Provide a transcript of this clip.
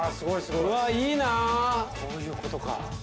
こういうことか。